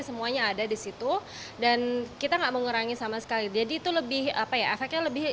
semuanya ada di situ dan kita enggak mengurangi sama sekali jadi itu lebih apa ya efeknya lebih